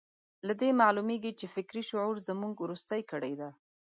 له دې معلومېږي چې فکري شعور زموږ وروستۍ کړۍ ده.